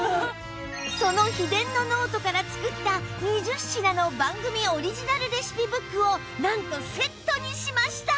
その秘伝のノートから作った２０品の番組オリジナルレシピブックをなんとセットにしました！